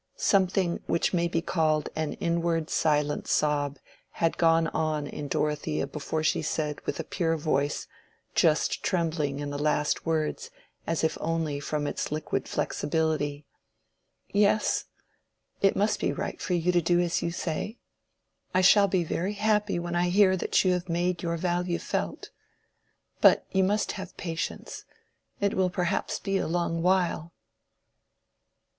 Something which may be called an inward silent sob had gone on in Dorothea before she said with a pure voice, just trembling in the last words as if only from its liquid flexibility— "Yes, it must be right for you to do as you say. I shall be very happy when I hear that you have made your value felt. But you must have patience. It will perhaps be a long while."